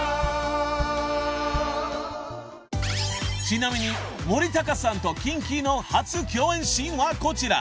［ちなみに森高さんとキンキの初共演シーンはこちら］